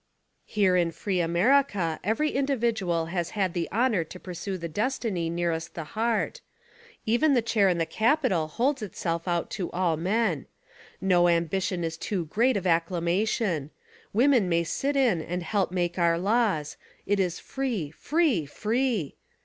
Plere in free America every individual has had the honor to pursue the destiny nearest the heart; even the chair in the capitol holds itself out to all men; no ambition is too great of acclamation; women may sit in and help make our laws; it is free! free! free!